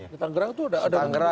di tanggerang itu ada